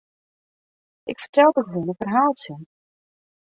Ik fertelde gewoan in ferhaaltsje.